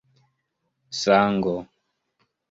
sango